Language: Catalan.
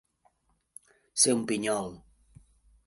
Ser un pinyol.